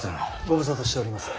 ご無沙汰しております。